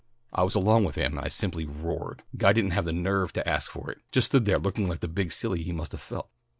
I was along with him, and I simply roared. Guy didn't have the nerve to ask for it, just stood there looking like the big silly he must have felt."